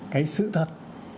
cái sự thật